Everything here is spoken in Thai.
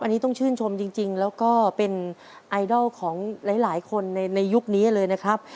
อันนี้ต้องชื่นชมจริงแล้วก็เป็นไอดอลของหลายคนในยุคนี้เลยนะครับ